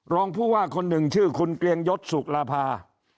รองผู้ว่าคนหนึ่งชื่อคุณเกลียงยศสุรภา